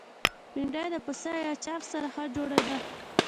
بېنډۍ د پسه یا چرګ سره ښه جوړه ده